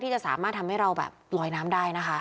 จะสามารถทำให้เราแบบลอยน้ำได้นะคะ